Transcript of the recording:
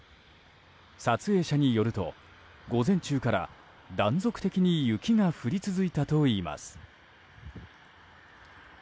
撮影者によると午前中から断続的に雪が降り続いたといいます。